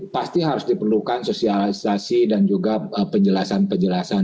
pasti harus diperlukan sosialisasi dan juga penjelasan penjelasan